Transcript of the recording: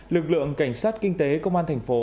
lực lượng cảnh sát kinh tế công an tp